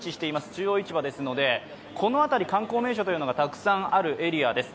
中央市場ですので、この辺り観光名所がたくさんあるエリアです。